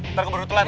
ntar keburu telat